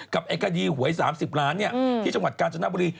กับคดีหวย๓๐ล้านที่จังหวัดกาญจนบุรี